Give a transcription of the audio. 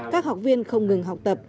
các học viên không ngừng học tập